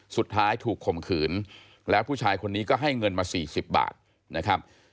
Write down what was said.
สุดท้ายถูกข่มขืนแล้วผู้ชายคนนี้ก็ให้เงินมา๔๐บาทนะครับ